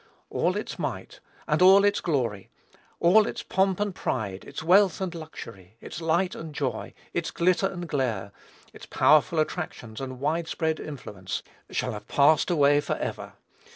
All its might, and all its glory, all its pomp and pride, its wealth and luxury, its light and joy, its glitter and glare, its powerful attractions and wide spread influence, shall have passed away forever.